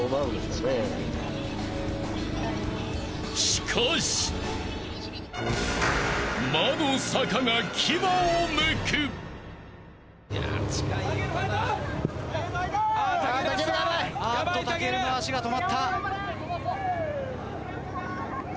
［しかし］あっとたけるの足が止まった。